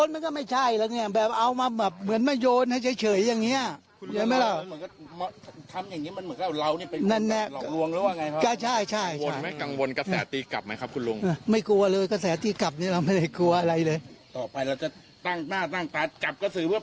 มาจับกระสือเพื่อไปพริษูรไหมครับ